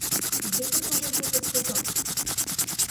Який тут може бути зв'язок?